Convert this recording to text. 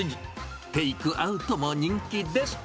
テイクアウトも人気です。